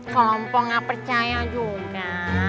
kalo mpo gak percaya juga